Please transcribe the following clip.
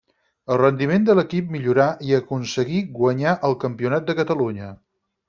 El rendiment de l'equip millorà i aconseguí guanyar el Campionat de Catalunya.